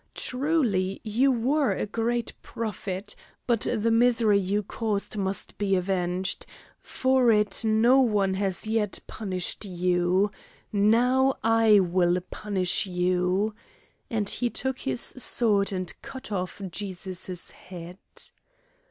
Truly you were a great prophet, but the misery you caused must be avenged. For it no one has yet punished you. Now I will punish you," and he took his sword and cut off Jesus' head.